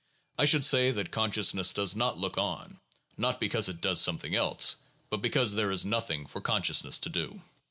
I should say that consciousness does not look on, not because it does something else, but because there is nothing for conscious ness to do.